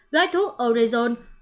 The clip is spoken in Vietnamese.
gói thuốc orezon